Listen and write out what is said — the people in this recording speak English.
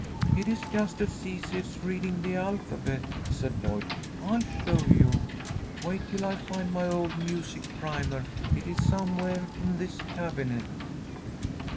"It is just as easy as reading the alphabet," said Lloyd. "I'll show you. Wait till I find my old music primer. It is somewhere in this cabinet."